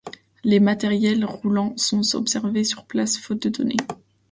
Les matériels roulants sont observés sur place, faute de données.